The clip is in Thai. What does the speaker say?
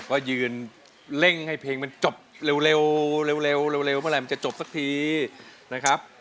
ว่ายืนเร่งให้เพลงมันจบเร็วเมื่อไหร่มันจะจบสักทีนะครับ